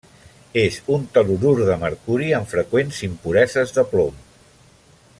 És un tel·lurur de mercuri, amb freqüents impureses de plom.